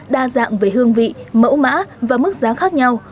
đa dạng về hương vị mẫu mã và mức giá khác nhau